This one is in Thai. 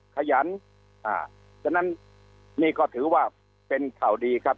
ขยันฉะนั้นนี่ก็ถือว่าเป็นข่าวดีครับ